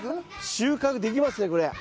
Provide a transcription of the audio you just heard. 収穫できますねこれ。